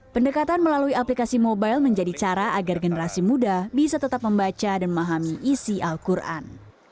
pendekatan melalui aplikasi mobile menjadi cara agar generasi muda bisa tetap membaca dan memahami isi al quran